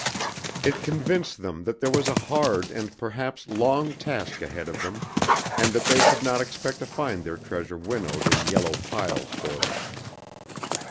It convinced them that there was a hard and perhaps long task ahead of them, and that they could not expect to find their treasure winnowed in yellow piles for them.